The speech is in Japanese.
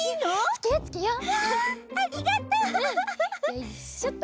よいしょっと。